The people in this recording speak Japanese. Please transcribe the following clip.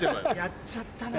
やっちゃったなぁ。